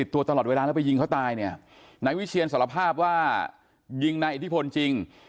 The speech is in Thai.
ถ้ายิงเขาตายเนี่ยนายวิเชียรสารภาพว่ายิงในอิทธิพลจริง